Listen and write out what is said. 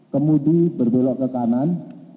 kemudian berbelok ke kanan